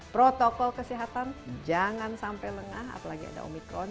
protokol kesehatan jangan sampai lengah apalagi ada omikron